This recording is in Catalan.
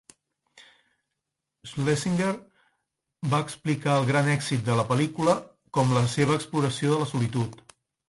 Schlesinger va explicar el gran èxit de la pel·lícula com la seva exploració de la solitud.